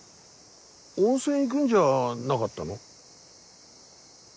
温泉行くんじゃなかったの？